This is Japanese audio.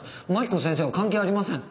槙子先生は関係ありません。